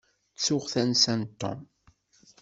Ttuɣ tansa n Tom.